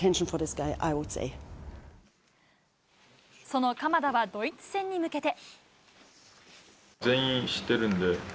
その鎌田はドイツ戦に向けて。